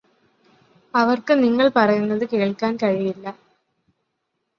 അവർക്ക് നിങ്ങള് പറയുന്നത് കേൾക്കാൻ കഴിയില്ല